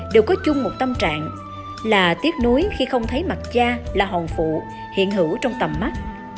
đều có chung một tâm trạng là tiếc nuối khi không thấy mặt cha là hòn phụ hiện hữu trong tầm mắt